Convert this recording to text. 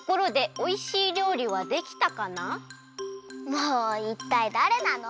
もういったいだれなの？